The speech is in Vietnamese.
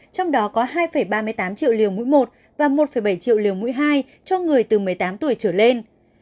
trong đó có hai ba mươi tám triệu liều mũi một và một bảy triệu liều mũi hai cho người từ một mươi tám tuổi trở lên